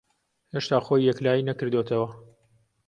ھێشتا خۆی یەکلایی نەکردووەتەوە.